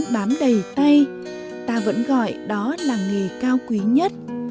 bám đầy tay ta vẫn gọi đó là nghề cao quý nhất